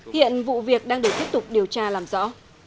hiện vụ việc đang được tiếp tục điều tra làm rõ